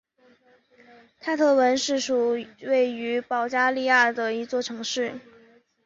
泰特文是位于保加利亚的一座城市。